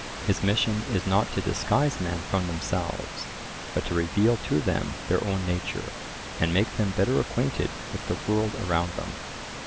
His mission is not to disguise men from themselves, but to reveal to them their own nature, and make them better acquainted with the world around them.